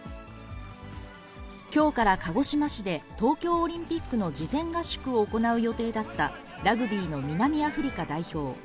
きょうから鹿児島市で、東京オリンピックの事前合宿を行う予定だったラグビーの南アフリカ代表。